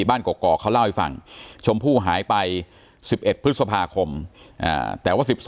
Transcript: กอกเขาเล่าให้ฟังชมพู่หายไป๑๑พฤษภาคมแต่ว่า๑๒